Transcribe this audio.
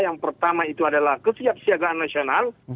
yang pertama itu adalah kesiap siagaan nasional